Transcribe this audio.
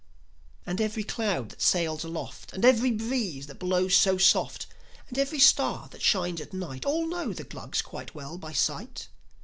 And every cloud that sails aloft, And every breeze that blows so soft, And every star that shines at night, All know the Glugs quite well by sight.